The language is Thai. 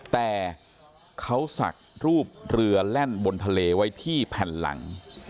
แต่เขาศักดิ์รูปเรือแล่นบนทะเลไว้ที่แผ่นหลัง